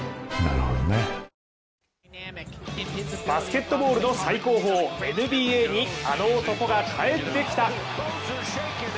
バスケットボールの最高峰、ＮＢＡにあの男が帰ってきた！